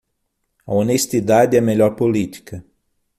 A honestidade é a melhor política.